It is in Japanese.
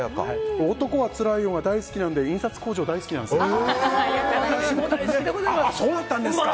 「男はつらいよ」が大好きなので印刷工場、大好きなんですよ。